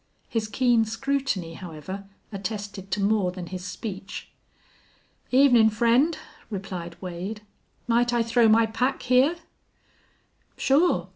His keen scrutiny, however, attested to more than his speech. "Evenin', friend," replied Wade. "Might I throw my pack here?" "Sure.